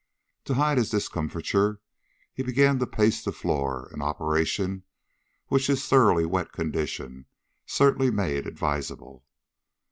To hide his discomfiture, he began to pace the floor, an operation which his thoroughly wet condition certainly made advisable.